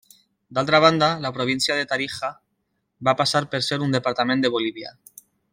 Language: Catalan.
D'altra banda, la província de Tarija va passar a ser un departament de Bolívia.